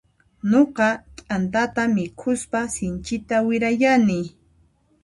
Nuqa t'antata mikhuspa sinchita wirayani.